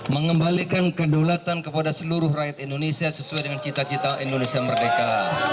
mengembalikan kedaulatan kepada seluruh rakyat indonesia sesuai dengan cita cita indonesia merdeka